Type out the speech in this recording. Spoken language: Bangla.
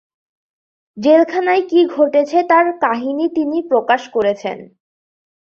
জেলখানায় কী ঘটেছে তার কাহিনী তিনি প্রকাশ করেছেন।